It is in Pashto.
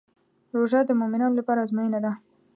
روژه د مؤمنانو لپاره ازموینه ده.